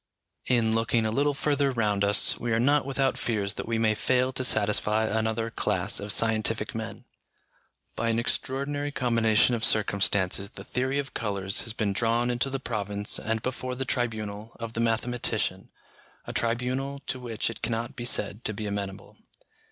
In looking a little further round us, we are not without fears that we may fail to satisfy another class of scientific men. By an extraordinary combination of circumstances the theory of colours has been drawn into the province and before the tribunal of the mathematician, a tribunal to which it cannot be said to be amenable.